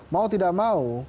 mau tidak mau